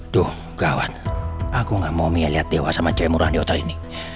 duh gawat aku gak mau mia liat dewa sama cewek murah di hotel ini